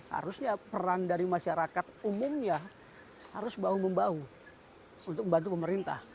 harusnya peran dari masyarakat umumnya harus bahu membahu untuk membantu pemerintah